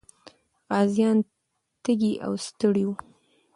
غازيان تږي او ستړي وو.